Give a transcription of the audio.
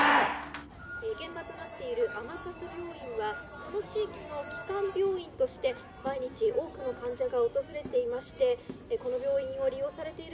現場となっている甘春病院はこの地域の基幹病院として毎日多くの患者が訪れていましてこの病院を利用されている。